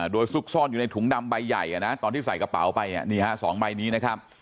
โดยซุกซ่อนอยู่ในถุงดำใบใหญ่ตอนที่ใส่กระเป๋าไป๒ใบนี้นะครับ